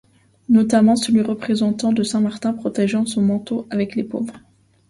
Notamment celui représentant Saint Martin partageant son manteau avec les pauvres.